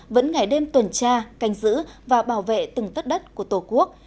vẫn ngày đêm tuần tra canh giữ và bảo vệ từng tất đất của tổ quốc